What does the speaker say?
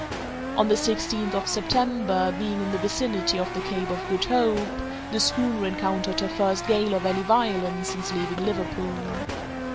On the sixteenth of September, being in the vicinity of the Cape of Good Hope, the schooner encountered her first gale of any violence since leaving Liverpool.